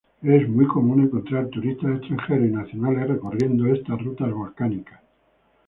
Es muy común encontrar turistas extranjeros y nacionales recorriendo estas rutas volcánicas.